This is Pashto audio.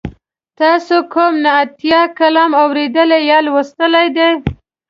تاسې کوم نعتیه کلام اوریدلی یا لوستلی دی؟